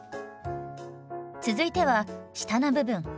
続いては下の部分。